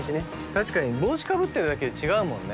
確かに帽子かぶってるだけで違うもんね